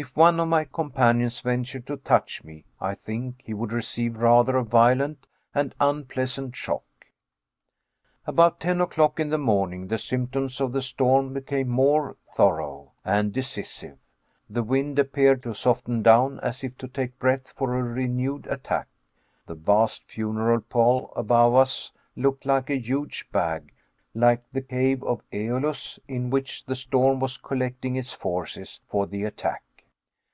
If one of my companions ventured to touch me, I think he would receive rather a violent and unpleasant shock. About ten o'clock in the morning, the symptoms of the storm became more thorough and decisive; the wind appeared to soften down as if to take breath for a renewed attack; the vast funereal pall above us looked like a huge bag like the cave of AEolus, in which the storm was collecting its forces for the attack.